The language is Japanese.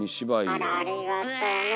あらありがとね。